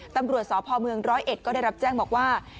ตำรวจสพเมืองร้อยเอ็ดก็ได้รับแจ้งบอกว่า